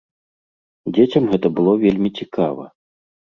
Дзецям гэта было вельмі цікава.